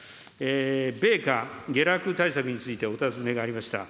米価下落対策についてお尋ねがありました。